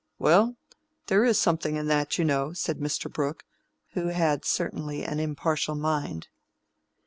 "Well, there is something in that, you know," said Mr. Brooke, who had certainly an impartial mind.